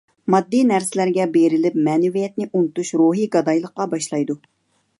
ماددىي نەرسىلەرگە بېرىلىپ مەنىۋىيەتنى ئۇنتۇش روھىي گادايلىققا باشلايدۇ.